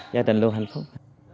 gia đình luôn hạnh phúc